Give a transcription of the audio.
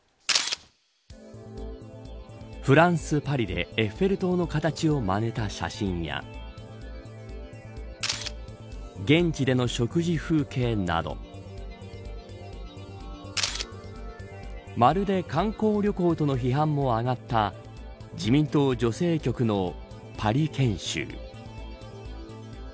フランス・パリでエッフェル塔の形をまねた写真や現地での食事風景などまるで観光旅行との批判も上がった自民党女性局のパリ研修。